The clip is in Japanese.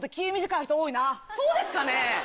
そうですかね？